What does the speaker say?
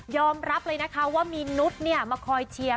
รับเลยนะคะว่ามีนุษย์มาคอยเชียร์